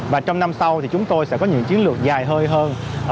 và trong năm sau thì chúng tôi sẽ có những chiến lược dài hơi hơn